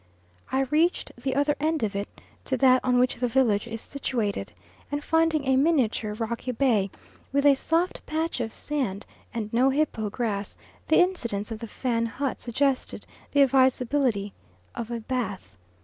I reached the other end of it to that on which the village is situated; and finding a miniature rocky bay with a soft patch of sand and no hippo grass, the incidents of the Fan hut suggested the advisability of a bath.